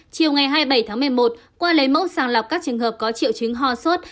chiều ngày hai mươi bảy tháng một mươi một qua lấy mẫu sàng lọc các trường hợp có triệu chứng ho sốt